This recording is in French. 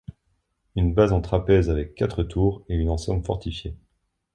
Une base en trapèze avec quatre tours et une enceinte fortifiée.